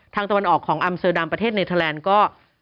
ตะวันออกของอัมเซอร์ดามประเทศเนเทอร์แลนด์ก็